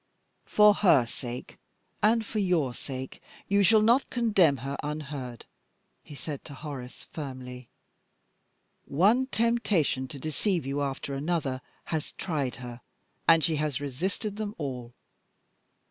"For her sake, and for your sake, you shall not condemn her unheard," he said to Horace, firmly. "One temptation to deceive you after another has tried her, and she has resisted them all.